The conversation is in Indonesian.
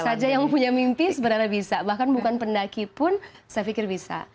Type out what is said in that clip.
siapa saja yang punya mimpi sebenarnya bisa bahkan bukan pendaki pun saya pikir bisa